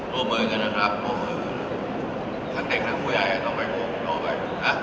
ร่วมเมื่อกันนะครับทั้งเด็กทั้งผู้ใหญ่ก็ต้องไปโค้งตัวใบ